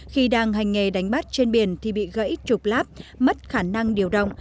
khi đang hành nghề đánh bắt trên biển thì bị gãy trục lắp mất khả năng điều động